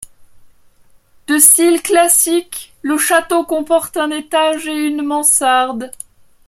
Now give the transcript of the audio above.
De style classique, le château comporte un étage et une mansarde.